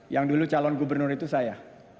yang dulu calon gubernur itu saya